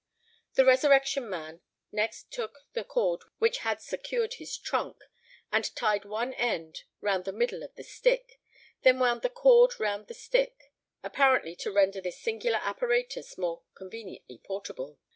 The Resurrection Man next took the cord which had secured his trunk, and tied one end round the middle of the stick. He then wound the cord round the stick, apparently to render this singular apparatus more conveniently portable.